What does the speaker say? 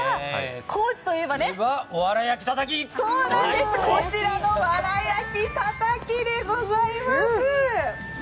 高知といえば、わら焼きたたきでございます。